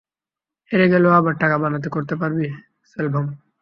হেরে গেলেও আবার টাকা বানাতে করতে পারবি, সেলভাম।